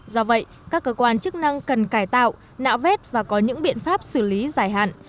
do vậy các cơ quan chức năng cần cải tạo nạo vét và có những biện pháp xử lý dài hạn